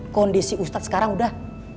kondisi ustadz sekarang udah